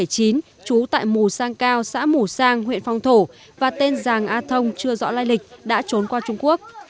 trú tại mù sang cao xã mù sang huyện phong thổ và tên giàng a thông chưa rõ lai lịch đã trốn qua trung quốc